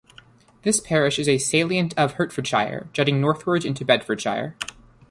This parish is a salient of Hertfordshire jutting northwards into Bedfordshire.